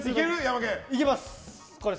いけます！